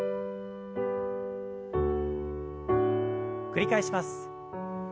繰り返します。